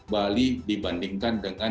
bali dibandingkan dengan